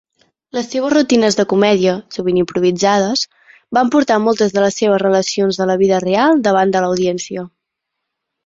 Les seves rutines de comèdia, sovint improvisades, van portar moltes de les seves relacions de la vida real davant de l"audiència.